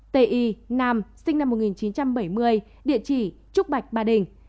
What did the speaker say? bốn t i nam sinh năm một nghìn chín trăm bảy mươi địa chỉ trúc bạch ba đình